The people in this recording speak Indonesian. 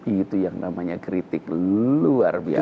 itu yang namanya kritik luar biasa